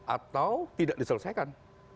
atau tidak diselesaikan